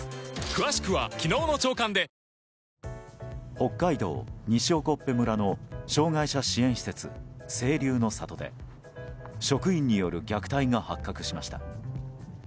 北海道西興部村の障害者支援施設清流の里で職員による虐待が発覚しました。